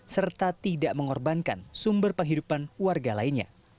serta tidak mengorbankan sumber penghidupan warga lainnya